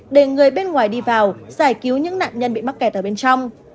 để người bên ngoài đi vào giải cứu những nạn nhân bị mắc kẹt ở bên trong